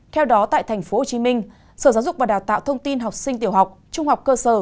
theo đó tại tp hcm sở giáo dục và đào tạo thông tin học sinh tiểu học trung học cơ sở